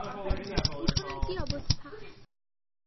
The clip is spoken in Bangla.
উঠোনের কি অবস্থা?